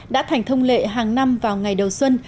đã thành thông lệ hàng năm vào ngày đầu xuân